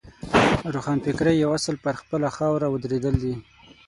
روښانفکرۍ یو اصل پر خپله خاوره ودرېدل دي.